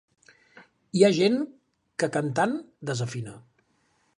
Hi ha gent que cantant desafina.